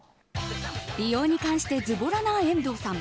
美容に関してずぼらな遠藤さん。